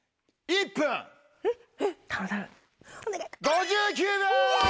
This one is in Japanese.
５９秒！